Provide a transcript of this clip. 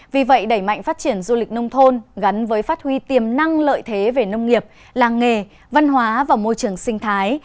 vì vậy đẩy mạnh phát triển du lịch nông thôn gắn với phát huy tiềm năng lợi thế về nông nghiệp làng nghề văn hóa và môi trường sinh thái